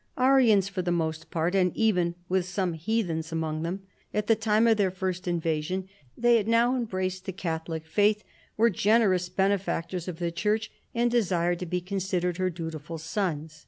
Arians for the PIPPIN, KING OF THE FRANKS. 79 most part, and even with some heathens among them at the time of their first invasion, they had now embraced the Catholic faith, were generous benefactors of the Church, and desired to be con sidered her dutiful sons.